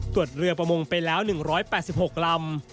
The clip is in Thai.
ตรวจเรือประมงไปแล้ว๑๘๖ลำ